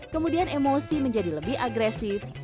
kemudian emosi menjadi lebih agresif